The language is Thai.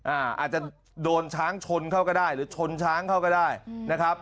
อาจจะโดนช้างชนเขาก็ได้หรือชนช้างเขาก็ได้นะครับ